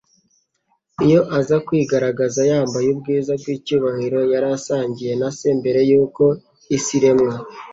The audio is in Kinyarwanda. Iyo aza kwigaragaza yambaye ubwiza bw'icyubahiro yari asangiye na Se mbere yuko isi iremwa,